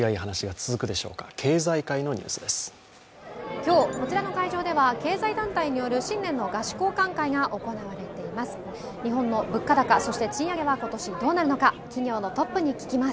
今日こちらの会場では経済団体による新年の賀詞交歓会が行われています。